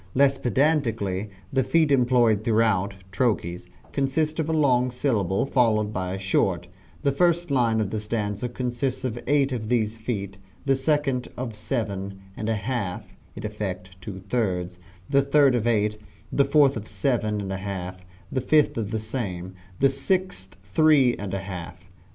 Less pedantically the feet employed throughout (trochees) consist of a long syllable followed by a short, the first line of the stanza consists of eight of these feet, the second of seven and a half (in effect two thirds), the third of eight, the fourth of seven and a half, the fifth the same, the sixth three and a half.